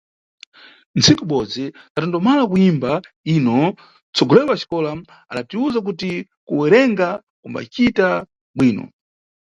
Ntsiku ibodzi, tandomala kuyimba yino, nʼtsogoleri wa xikola adatiwuza kuti kuwerenga kumbacita bwino.